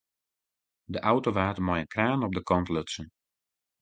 De auto waard mei in kraan op de kant lutsen.